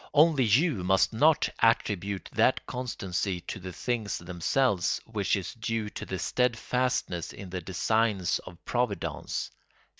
Only you must not attribute that constancy to the things themselves which is due to steadfastness in the designs of Providence.